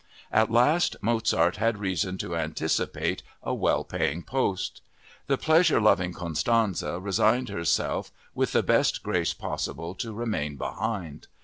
At last Mozart had reason to anticipate a well paying post! The pleasure loving Constanze resigned herself with the best grace possible to remain behind.